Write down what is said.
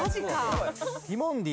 ティモンディ